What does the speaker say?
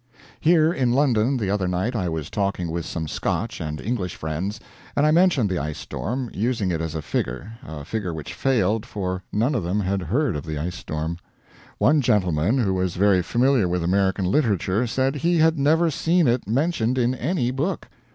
Here in London the other night I was talking with some Scotch and English friends, and I mentioned the ice storm, using it as a figure a figure which failed, for none of them had heard of the ice storm. One gentleman, who was very familiar with American literature, said he had never seen it mentioned in any book.